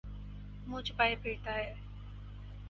منہ چھپائے پھرتاہے۔